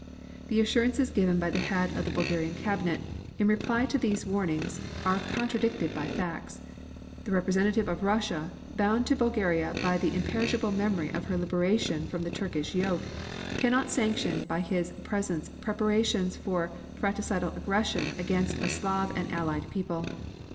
The assurances given by the head of the Bulgarian Cabinet in reply to these warnings are contradicted by facts. The representative of Russia, bound to Bulgaria by the imperishable memory of her liberation from the Turkish yoke, cannot sanction by his presence preparations for fratricidal aggression against a Slav and allied people.